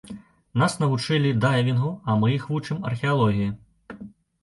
Нас навучылі дайвінгу, а мы іх вучым археалогіі.